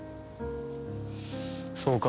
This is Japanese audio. そうか。